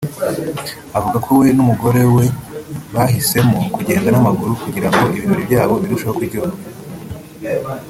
Avuga ko we n’umugorw we bahisemo kugenda n’amaguru kugira ngo ibirori byabo birusheho kuryoha